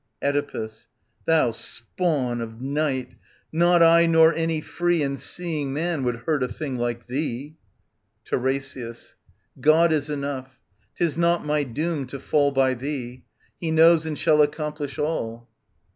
Oedipus. Thou spawn of Night, not I nor any free And seeing man would hurt a thing like thee. TiRESIAS. God is enough. — 'Tis not my doom to fall By thee. He knows and shall accomplish all.